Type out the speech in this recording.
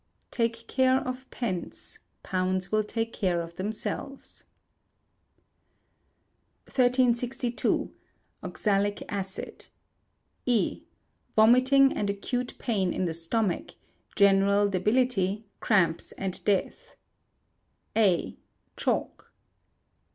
[TAKE CARE OF PENCE, POUNDS WILL TAKE CARE OF THEMSELVES.] 1362. Oxalic Acid. E. Vomiting and acute pain in the stomach, general debility, cramps, and death. A. Chalk.